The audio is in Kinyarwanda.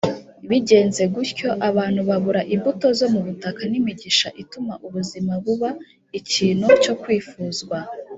Bigenze gutyo, abantu babura imbuto zo mu butaka n’imigisha ituma ubuzima buba ikintu cyo kwifuzwa.